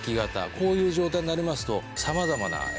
こういう状態になりますと。